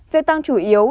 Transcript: việc tăng chủ yếu